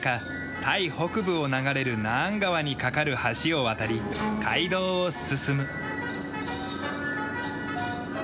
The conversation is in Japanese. タイ北部を流れるナーン川に架かる橋を渡り街道を進む。